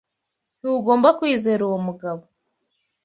Ntugomba kwizera uwo mugabo.